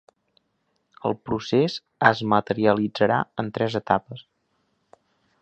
El procés es materialitzarà en tres etapes.